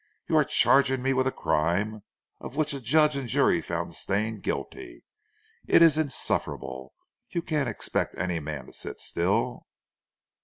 "You are charging me with a crime of which a judge and jury found Stane guilty. It is insufferable. You can't expect any man to sit still."